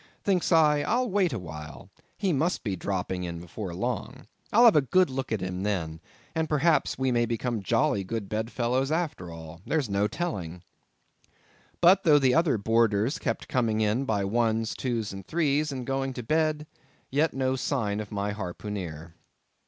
Thinks I, I'll wait awhile; he must be dropping in before long. I'll have a good look at him then, and perhaps we may become jolly good bedfellows after all—there's no telling. But though the other boarders kept coming in by ones, twos, and threes, and going to bed, yet no sign of my harpooneer.